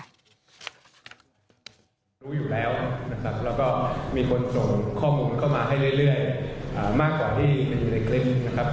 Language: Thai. รู้อยู่แล้วนะครับแล้วก็มีคนส่งข้อมูลเข้ามาให้เรื่อยมากกว่าที่อยู่ในคลิปนะครับ